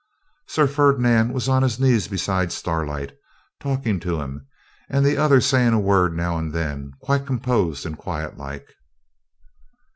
Sir Ferdinand was on his knees beside Starlight, talking to him, and the other saying a word now and then, quite composed and quiet like.